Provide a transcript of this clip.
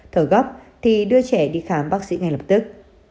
thở góc thì đưa trẻ đi khám bác sĩ ngay lập tức